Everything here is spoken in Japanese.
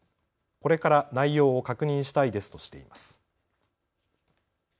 これから内容を確認したいですとしています。